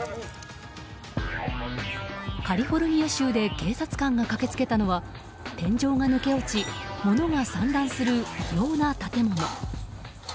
カリフォルニア州で警察官が駆け付けたのは天井が抜け落ち物が散乱する異様な建物。